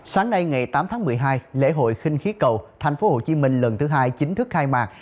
sáng nay ngày tám tháng một mươi hai lễ hội kinh khí cầu tp hcm lần thứ hai chính thức khai mạc